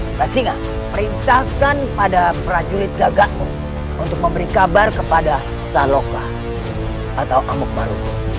kita singa perintahkan pada prajurit gagakmu untuk memberi kabar kepada saloka atau amuk baru